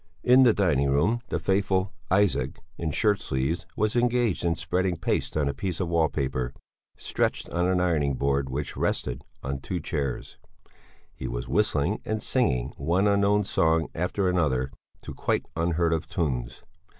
In the dining room the faithful Isaac, in shirt sleeves, was engaged in spreading paste on a piece of wallpaper, stretched on an ironing board which rested on two chairs; he was whistling and singing one unknown song after the other to quite unheard of tunes.